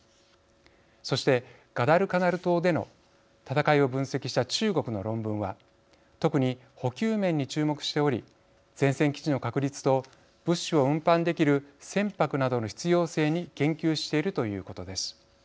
そしてガダルカナル島での戦いを分析した中国の論文は特に補給面に注目しており前線基地の確立と物資を運搬できる船舶などの必要性に言及しているということです。